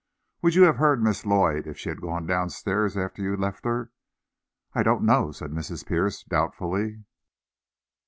"Would you have heard Miss Lloyd if she had gone down stairs after you left her?" "I don't know," said Mrs. Pierce, doubtfully.